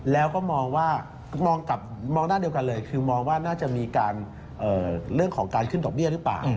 แล้วก็มองว่ามองหน้าเดียวกันเลยคือมองว่าน่าจะมีการเรื่องของการขึ้นดอกเบี้ยหรือเปล่า